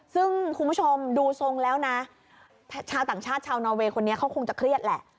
ซึ่งคุณผู้ชมดูทรงแล้วนะชาวต่างชาติชาวนอเวย์คนนี้เขาคงจะเครียดแหละ